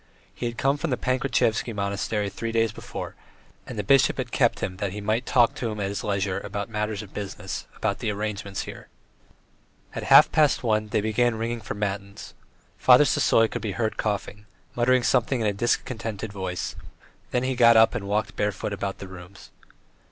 He had come to the Pankratievsky Monastery three days before, and the bishop had kept him that he might talk to him at his leisure about matters of business, about the arrangements here. ... At half past one they began ringing for matins. Father Sisoy could be heard coughing, muttering something in a discontented voice, then he got up and walked barefoot about the rooms.